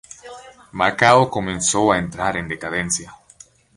Macao comenzó a entrar en decadencia.